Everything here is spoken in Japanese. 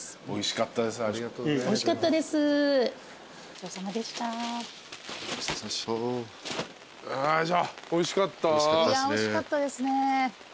おいしかったですね。